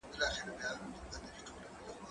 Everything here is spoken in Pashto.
زه به لاس مينځلي وي؟